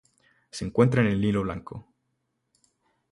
Se encuentra en el Nilo Blanco.